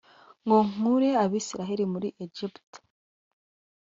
ngo nkure Abisirayeli muri Egiputa